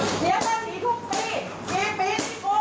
สำนักภาพฤทธิบทนิกทัพศิษฐ์ประชาชน